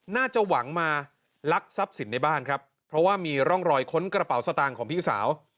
น่าจะหวังมาลักทรัพย์สินในบ้านครับเพราะว่ามีร่องรอยค้นกระเป๋าสตางค์ของพี่สาว